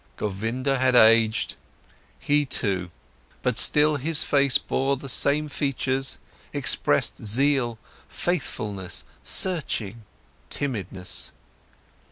Govinda had aged, he too, but still his face bore the same features, expressed zeal, faithfulness, searching, timidness.